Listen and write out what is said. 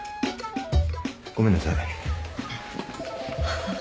ごめんなさい。